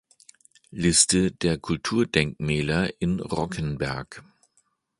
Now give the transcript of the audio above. Liste der Kulturdenkmäler in Rockenberg